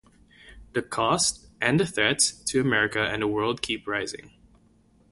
the costs and the threats to America and the world keep rising.